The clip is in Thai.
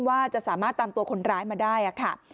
ว่าจะสามารถตามตัวคนร้ายมาได้ค่ะ